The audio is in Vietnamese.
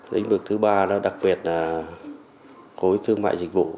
lĩnh vực thứ ba đó đặc biệt là khối thương mại dịch vụ